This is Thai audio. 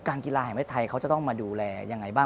การกีฬาแห่งไทยเขาจะต้องมาดูแลอย่างไรบ้าง